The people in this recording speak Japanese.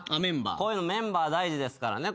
こういうのメンバー大事ですからね。